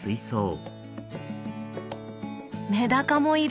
メダカもいる！